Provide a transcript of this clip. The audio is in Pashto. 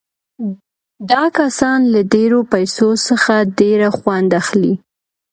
دا کسان له ډېرو پیسو څخه ډېر خوند اخلي